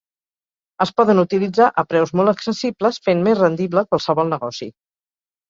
Es poden utilitzar a preus molt accessibles, fent més rendible qualsevol negoci.